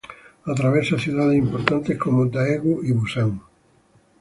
Atraviesa ciudades importantes como Daegu y Busán.